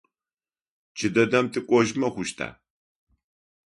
Джыдэдэм тыкӏожьмэ хъущта?